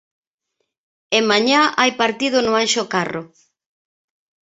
E mañá hai partido no Anxo Carro.